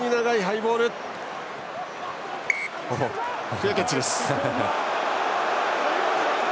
フェアキャッチです。